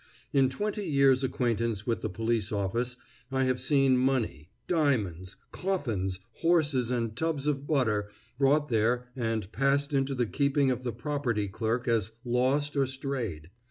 In twenty years' acquaintance with the police office, I have seen money, diamonds, coffins, horses, and tubs of butter brought there and passed into the keeping of the property clerk as lost or strayed.